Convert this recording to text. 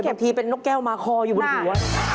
ทีเป็นนกแก้วมาคออยู่บนหัว